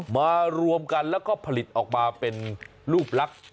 มารวมกันแล้วก็ผลิตออกมาเป็นรูปลักษณ์